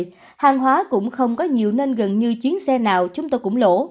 hàng hóa cũng không có nhiều nên gần như chuyến xe nào chúng tôi cũng lỗ